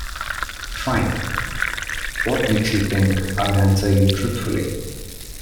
Fine, what makes you think I'd answer you truthfully?